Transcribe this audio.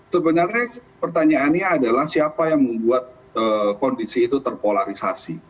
sebenarnya pertanyaannya adalah siapa yang membuat kondisi itu terpolarisasi